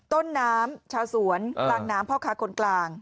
ต้นน้ำชาวสวนกลางน้ำพ่อค้าคนกลาง